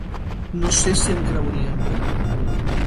No sé si em creurien.